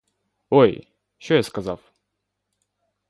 Ой, що я сказав?